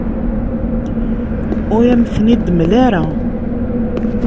Ur am-ten-id-temla ara.